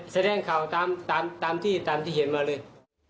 แสดงข่าวตามที่เห็นมาเลย